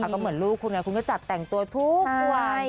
ก็เหมือนลูกคุณคุณก็จัดแต่งตัวทุกวัน